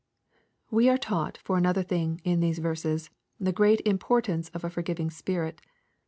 We are taught, for another thing, in these verses, the great importance of a forgiving spirit.